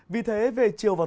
vì thế về chiều và mưa